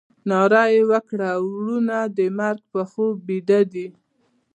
ناره یې وکړه ورونه د مرګ په خوب بیده دي.